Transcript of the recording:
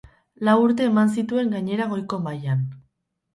Lau urte eman zituen gainera goiko mailan.